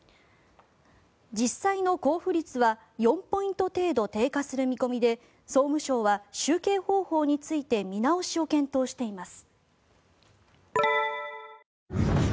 実際の交付率は４ポイント程度低下する見込みで総務省は集計方法について見直しを検討しています。